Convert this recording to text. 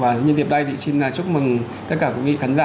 và liên tiếp đây thì xin chúc mừng tất cả quý vị khán giả